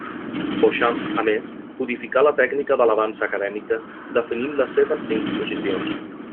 Beauchamp, a més, codificà la tècnica de la dansa acadèmica definint les seves cinc posicions.